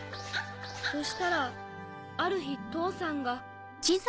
そしたらあるひとうさんが。